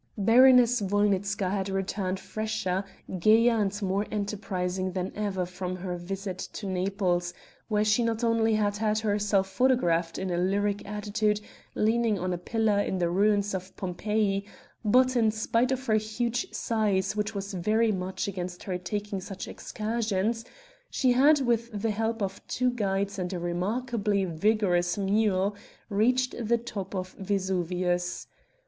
Baroness Wolnitzka had returned fresher, gayer and more enterprising than ever from her visit to Naples, where she not only had had herself photographed in a lyric attitude leaning on a pillar in the ruins of Pompeii, but, in spite of her huge size which was very much against her taking such excursions, she had with the help of two guides and a remarkably vigorous mule, reached the top of Vesuvius.